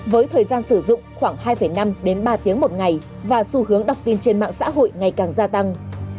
với thời gian sử dụng khoảng hai năm đến ba tiếng một ngày và xu hướng đọc tin trên mạng xã hội ngày càng gia tăng